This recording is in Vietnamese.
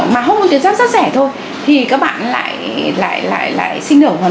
mà hormôn tuyệt giác rất rẻ thôi